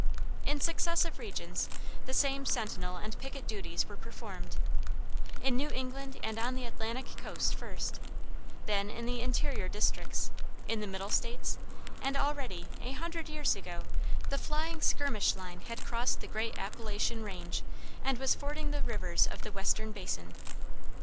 In successive regions the same sentinel and picket duties were performed; in New England and on the Atlantic coast first; then in the interior districts, in the middle States; and already, a hundred years ago, the flying skirmish line had crossed the great Appalachian range, and was fording the rivers of the western basin.